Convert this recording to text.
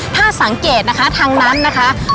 ถ้าสังเกตนะคะทางนั้นนะคะ